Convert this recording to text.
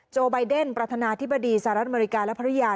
ไบเดนประธานาธิบดีสหรัฐอเมริกาและภรรยา